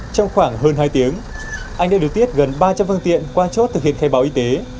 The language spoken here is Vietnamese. trong khoảng hơn hai tiếng anh đã điều tiết gần ba trăm linh phương tiện qua chốt thực hiện khai báo y tế